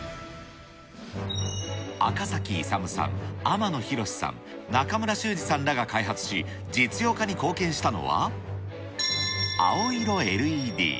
赤崎勇さん、天野浩さん、中村修二さんらが開発し、実用化に貢献したのは、青色ＬＥＤ。